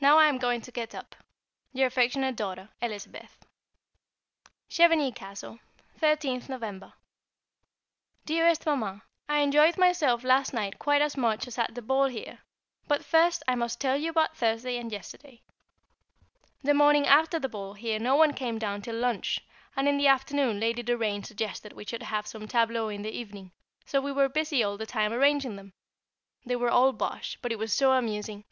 Now I am going to get up. Your affectionate daughter, Elizabeth. Chevenix Castle, 13th November. [Sidenote: Tableaux] Dearest Mamma, I enjoyed my self last night quite as much as at the ball here; but first, I must tell you about Thursday and yesterday. The morning after the ball here no one came down till lunch, and in the afternoon Lady Doraine suggested we should have some tableaux in the evening, and so we were busy all the time arranging them. They were all bosh; but it was so amusing.